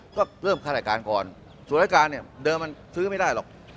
ก็เพิ่มค่ารายการก่อนส่วนรายการเนี่ยเดิมมันซื้อไม่ได้หรอก